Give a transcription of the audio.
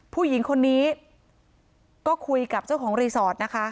ผู้หญิงคนนี้ก็คุยกับเจ้าของรีสอร์ทนะคะ